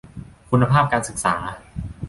คุณภาพการศึกษา